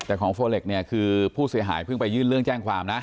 แต่ของโฟเล็กเนี่ยคือผู้เสียหายเพิ่งไปยื่นเรื่องแจ้งความนะ